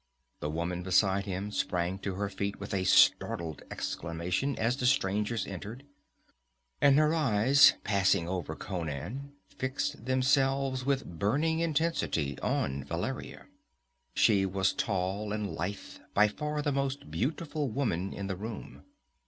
The woman beside him sprang to her feet with a startled exclamation as the strangers entered, and her eyes, passing over Conan, fixed themselves with burning intensity on Valeria. She was tall and lithe, by far the most beautiful woman in the room.